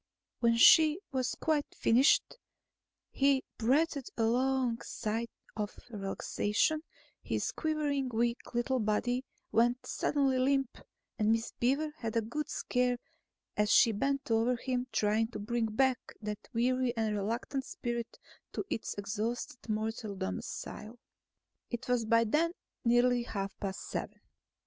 When she had quite finished, he breathed a long sigh of relaxation; his quivering, weak little body went suddenly limp, and Miss Beaver had a good scare as she bent over him, trying to bring back that weary and reluctant spirit to its exhausted mortal domicile. It was by then nearly half past seven.